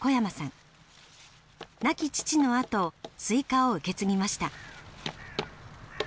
亡き父のあとスイカを受け継ぎました。